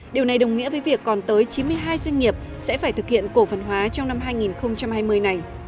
điều này đồng nghĩa với việc còn tới chín mươi hai doanh nghiệp sẽ phải thực hiện cổ phần hóa trong năm hai nghìn hai mươi này